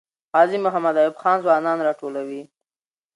غازي محمد ایوب خان ځوانان راټولوي.